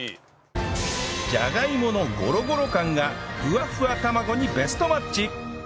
じゃがいものゴロゴロ感がふわふわ卵にベストマッチ！